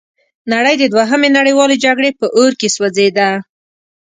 نړۍ د دوهمې نړیوالې جګړې په اور کې سوځیده.